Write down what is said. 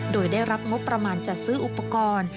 โดยได้รับงบประมาณจัดซื้ออุปกรณ์